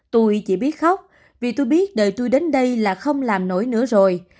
tui chỉ biết khóc vì tui biết đời tui đến đây là không làm nổi nữa rồi